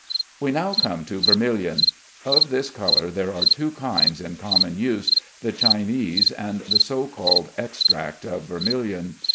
We now come to vermilion. Of this color there are two kinds in common use, the Chinese and the so called extract of vermilion.